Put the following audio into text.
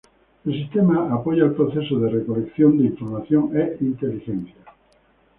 El sistema apoya el proceso de recolección de información e inteligencia.